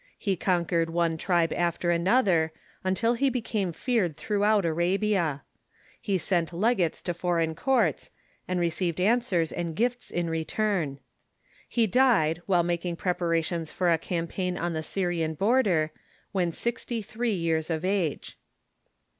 He conquered one tribe after another, until he became feared thi*oughout Arabia. He sent legates to foreign courts, and received answers and gifts in return. He died, while making preparations for a campaign on the Syrian border, when sixty three years of age.